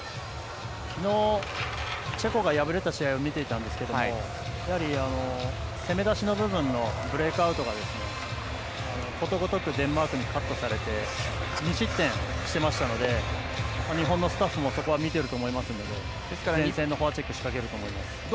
きのうチェコが敗れた試合を見ていたんですがやはり攻めだしの部分のブレークアウトがことごとくデンマークにカットされて２失点してましたので日本のスタッフはそこは見ていると思いますので前線のフォアチェック仕掛けると思います。